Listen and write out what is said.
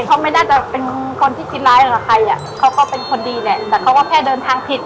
เขาไม่น่าจะเป็นคนที่คิดร้ายกับใครอ่ะเขาก็เป็นคนดีแหละแต่เขาก็แค่เดินทางผิด